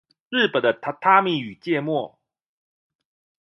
日本的榻榻米與芥末